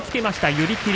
寄り切り。